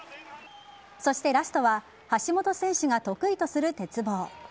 そしてラストは橋本選手が得意とする鉄棒。